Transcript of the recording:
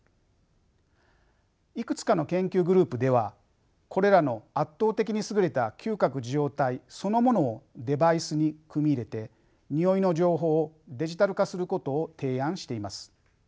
いくつかの研究グループではこれらの圧倒的に優れた嗅覚受容体そのものをデバイスに組み入れてにおいの情報をデジタル化することを提案しています。